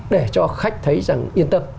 để cho khách thấy rằng yên tâm